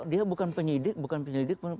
dia bukan penyidik bukan penyelidik